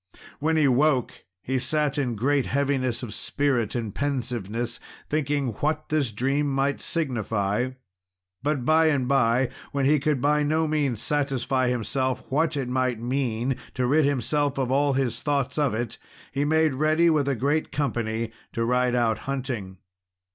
When he woke, he sat in great heaviness of spirit and pensiveness, thinking what this dream might signify, but by and by, when he could by no means satisfy himself what it might mean, to rid himself of all his thoughts of it, he made ready with a great company to ride out hunting.